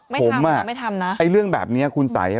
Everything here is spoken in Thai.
ไม่ผมอ่ะไม่ทำนะไอ้เรื่องแบบเนี้ยคุณสัยอ่ะ